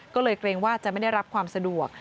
ก็เลยเกรงว่าจะไม่ได้รับความสะดวก